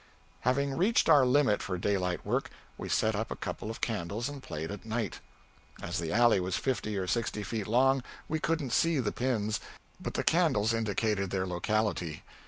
Having reached our limit for daylight work, we set up a couple of candles and played at night. As the alley was fifty or sixty feet long, we couldn't see the pins, but the candles indicated their locality.